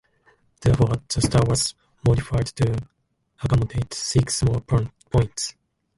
Therefore, the star was modified to accommodate six more points.